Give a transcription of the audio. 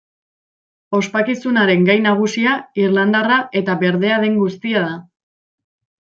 Ospakizunaren gai nagusia irlandarra eta berdea den guztia da.